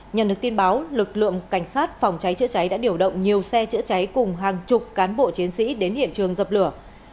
nhận được tin báo lực lượng cảnh sát phòng cháy chữa cháy đã điều động nhiều xe chữa cháy cùng hàng chục cán bộ chiến sĩ đến hiện trường dập lửa